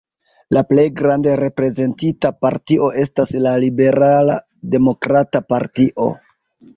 La plej grande reprezentita partio estas la Liberala Demokrata Partio.